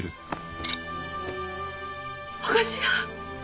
お頭。